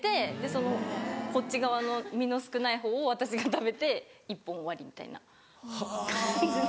そのこっち側の身の少ない方を私が食べて１本終わりみたいな感じで。